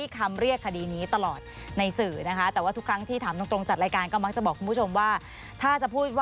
ผมก็ไม่รู้ไม่รู้สิครับ